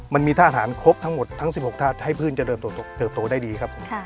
มันมีท่าฐานครบทั้งหมดทั้งสิบหกท่าที่ให้พืชจะเดินตกตกเติบโตได้ดีครับค่ะ